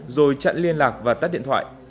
rồi chặn liên lạc và tắt điện thoại